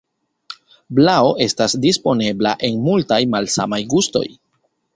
Vlao estas disponebla en multaj malsamaj gustoj.